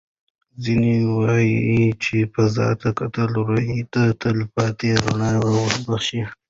ځینې وویل چې فضا ته کتل روح ته تل پاتې رڼا وربښي.